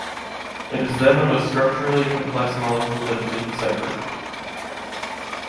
It is then the most structurally complex molecule that has been deciphered.